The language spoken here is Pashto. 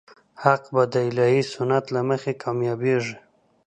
حق به د الهي سنت له مخې کامیابېږي.